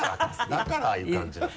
だからああいう感じなんだ。